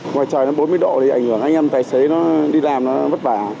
ngoài trời nó bốn mươi độ thì ảnh hưởng anh em tài xế đi làm nó vất vả